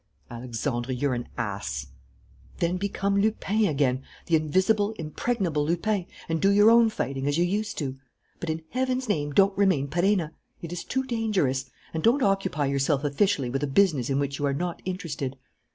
"Alexandre, you're an ass." "Then become Lupin again, the invisible, impregnable Lupin, and do your own fighting, as you used to. But in Heaven's name don't remain Perenna! It is too dangerous. And don't occupy yourself officially with a business in which you are not interested."